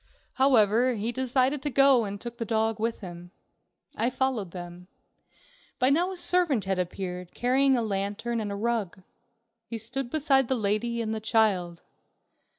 However, he decided to go, and took the dog with him. I followed them. By now a servant had appeared, carrying a lantern and a rug. He stood beside the lady and the child.